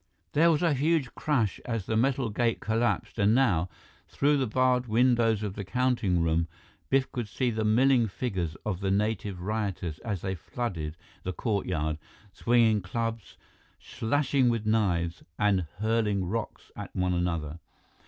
There was a huge crash as the metal gate collapsed and now, through the barred windows of the counting room, Biff could see the milling figures of the native rioters as they flooded the courtyard, swinging clubs, slashing with knives, and hurling rocks at one another.